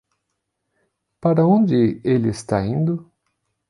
Para onde ele está indo?